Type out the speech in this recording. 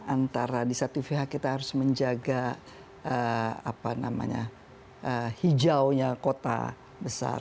antara di satu pihak kita harus menjaga hijaunya kota besar